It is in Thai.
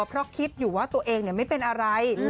เพราะคิดอยู่ว่าตัวเองไม่เป็นอะไร